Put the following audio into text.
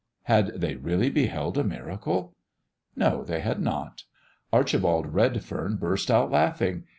Had they really beheld a miracle? No; they had not. Archibald Redfern burst out laughing.